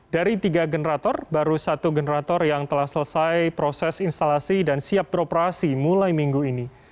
dari tiga generator baru satu generator yang telah selesai proses instalasi dan siap beroperasi mulai minggu ini